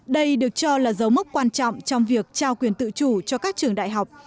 đây được cho là dấu mốc quan trọng trong việc trao quyền tự chủ cho các trường đại học